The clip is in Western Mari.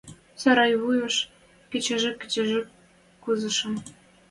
Сарайвуйыш кичкӹж-кичкӹж кузышым.